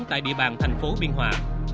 tại địa bàn thành phố biên hòa